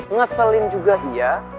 ngeselin juga dia